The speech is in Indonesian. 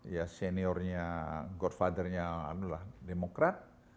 ya seniornya godfather nya demokrat